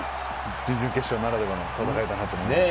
準々決勝ならではの戦いだと思います。